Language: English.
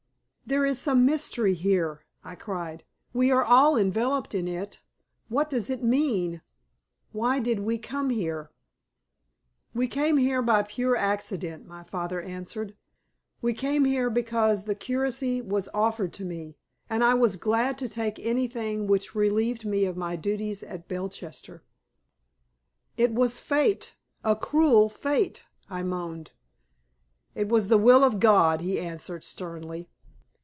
"There is some mystery, here," I cried. "We are all enveloped in it. What does it mean? Why did we come here?" "We came here by pure accident," my father answered. "We came here because the curacy was offered to me; and I was glad to take anything which relieved me of my duties at Belchester." "It was fate! a cruel fate!" I moaned. "It was the will of God," he answered, sternly.